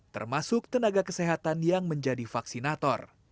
termasuk tenaga kesehatan yang menjadi vaksinator